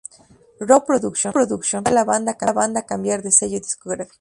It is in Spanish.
Rowe Productions permitió a la banda cambiar de sello discográfico.